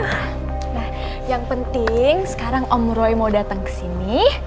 nah yang penting sekarang om roy mau dateng kesini